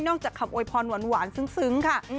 จากคำโวยพรหวานซึ้งค่ะ